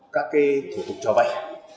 các cái thủ tục cho vay